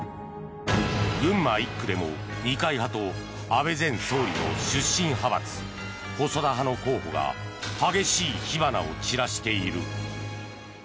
群馬１区でも二階派と安倍前総理の出身派閥細田派の候補が激しい火花を散らしている。